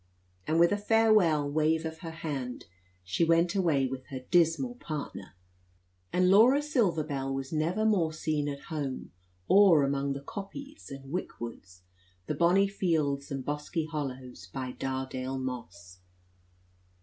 And with a farewell wave of her hand, she went away with her dismal partner; and Laura Silver Bell was never more seen at home, or among the "coppies" and "wickwoods," the bonny fields and bosky hollows, by Dardale Moss.